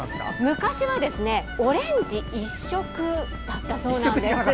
昔はオレンジ一色だったそうなんです。